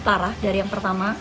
parah dari yang pertama